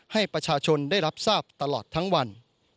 ให้ประชาชนได้รับทราบตลอดทั้งวัน